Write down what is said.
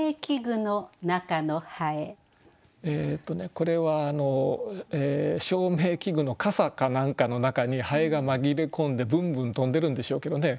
これは照明器具のかさかなんかの中に蠅が紛れ込んでブンブン飛んでるんでしょうけどね。